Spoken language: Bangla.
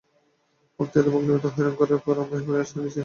বক্তৃতা ও বাগ্মিতা করে করে হয়রান হয়ে পড়ায় আমি হিমালয়ে আশ্রয় নিয়েছি।